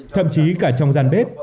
thậm chí cả trong gian bếp